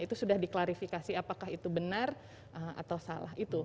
itu sudah diklarifikasi apakah itu benar atau salah itu